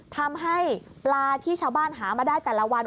ทำให้ปลาที่ชาวบ้านหามาได้แต่ละวัน